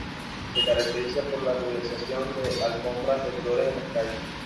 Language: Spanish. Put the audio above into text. Se caracteriza por la realización de alfombras de flores en las calles.